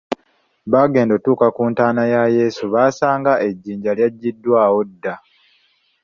Baagenda okutuuka ku ntaana ya Yesu baasanga ejjinja lyagiddwawo dda.